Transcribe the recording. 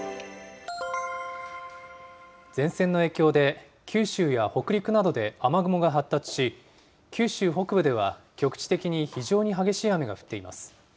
前線の影響で、九州や北陸などで雨雲が発達し、九州北部では局地的に非常に激しい雨が降っています。